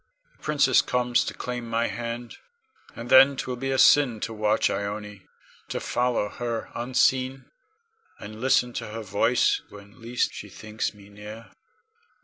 The princess comes to claim my hand, and then 'twill be a sin to watch Ione, to follow her unseen, and listen to her voice when least she thinks me near.